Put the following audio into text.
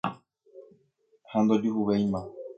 Ha ndojuhuvéima.